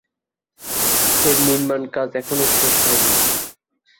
এর নির্মাণ কাজ এখনো শেষ হয়নি।